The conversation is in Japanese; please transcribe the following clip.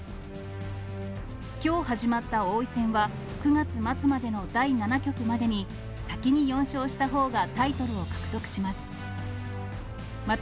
きょう始まった王位戦は、９月末までの第７局までに、先に４勝したほうがタイトルを獲得します。